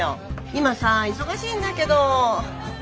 今さ忙しいんだけど。